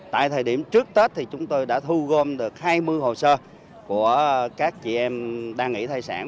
tại thời điểm trước tết thì chúng tôi đã thu gom được hai mươi hồ sơ của các chị em đang nghỉ thai sản